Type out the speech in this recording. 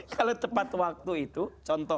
kalau tepat waktu itu contoh